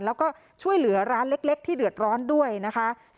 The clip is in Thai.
แล้วก็ช่วยเหลือร้านเล็กที่เดือดร้อนด้วยนะคะ